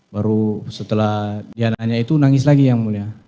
baru setelah dia nanya itu nangis lagi yang mulia